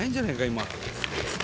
今。